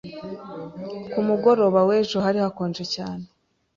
Ku mugoroba w'ejo hari hakonje cyane.